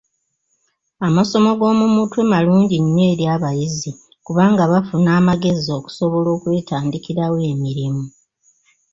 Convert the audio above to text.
Amasomo g'omu mutwe malungi nnyo eri abayizi kubanga bafuna amagezi okusobola okwetandikirawo emirimu.